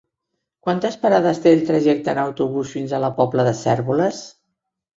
Quantes parades té el trajecte en autobús fins a la Pobla de Cérvoles?